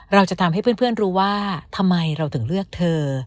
เราจะทำให้เพื่อนรู้ว่าทำไมเราถึงเลือกเธอ